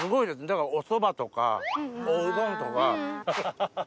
だからおそばとかおうどんとか。